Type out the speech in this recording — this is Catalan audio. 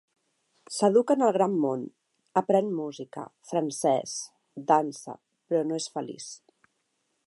S'educa en el gran món, aprèn música, francès, dansa, però no és feliç.